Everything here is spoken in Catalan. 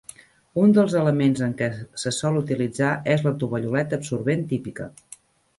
Un dels elements en què se sol utilitzar és la "tovalloleta absorbent" típica.